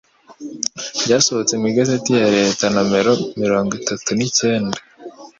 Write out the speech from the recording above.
ryasohotse mu Igazeti ya Leta nomero mirongo itatu nicyenda